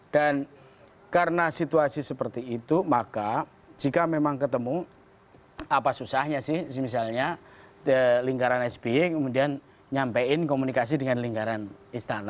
dan karena situasi seperti itu maka jika memang ketemu apa susahnya sih misalnya lingkaran spi kemudian nyampein komunikasi dengan lingkaran istana